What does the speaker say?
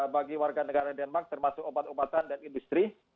bagi warga negara denmark termasuk obat obatan dan industri